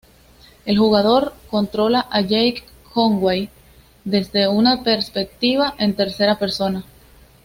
El jugador controla a Jake Conway desde una perspectiva en tercera persona.